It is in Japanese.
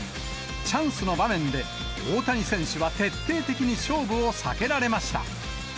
チャンスの場面で、大谷選手は徹底的に勝負を避けられました。